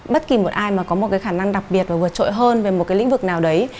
bất kỳ một ai mà có một cái khả năng đặc biệt và vượt trội hơn về một cái lĩnh vực nào đấy